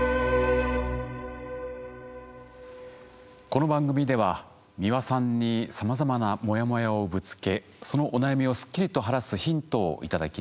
この番組では美輪さんにさまざまなモヤモヤをぶつけそのお悩みをすっきりと晴らすヒントを頂きます。